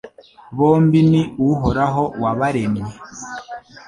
bombi ni Uhoraho wabaremye